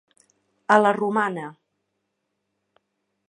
A la romana.